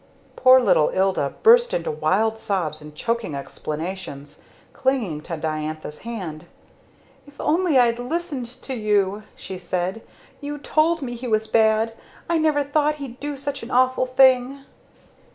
Poor little Ilda burst into wild sobs and choking explanations, clinging to Diantha's hand. "If I'd only listened to you!" she said. "You told me he was bad! I never thought he'd do such an awful thing!"